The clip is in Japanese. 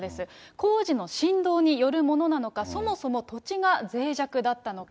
工事の振動によるものなのか、そもそも土地がぜい弱だったのか。